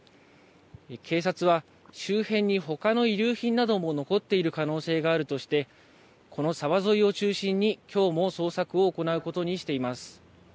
警察は、周辺にほかの遺留品なども残っている可能性があるとして、この沢沿いを中心に、きょうも捜索を行うことにしています。